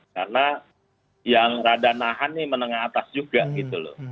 karena yang rada nahan ini menengah atas juga gitu loh